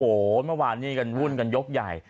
โอ้โหเมื่อวานนี้กันวุ่นกันยกใหญ่